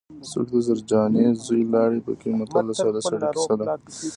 څوک یې د زرجانې زوی لاړې پکې متل د ساده سړي کیسه ده